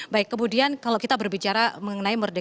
baik kemudian kalau kita berbicara mengenai merdeka